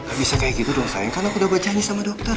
gak bisa kaya gitu dong sayang kan aku udah baca ini sama dokter